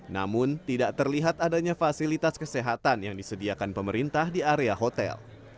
namun tidak terlihat adanya fasilitas kesehatan yang disediakan pemerintah di area hotel